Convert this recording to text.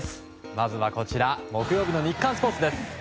まずは、木曜日の日刊スポーツです。